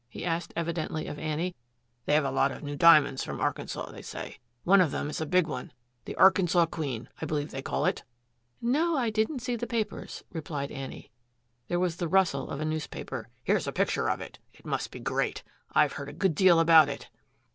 he asked, evidently of Annie. "They have a lot of new diamonds from Arkansas, they say, one of them is a big one, the Arkansas Queen, I believe they call it." "No, I didn't see the papers," replied Annie. There was the rustle of a newspaper. "Here's a picture of it. It must be great. I've heard a good deal about it."